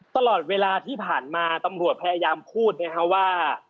ตลอดเวลาที่ผ่านมาตำรวจพยายามพูดนะครับว่า